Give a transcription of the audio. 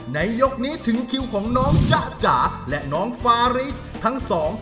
ในยกนี้ถึงคิวของน้องจ๊ะจ๋าและน้องฟาริสทั้งสอง